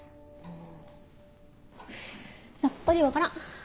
あぁさっぱり分からん。